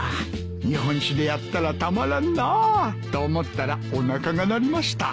日本酒でやったらたまらんなと思ったらおなかが鳴りました。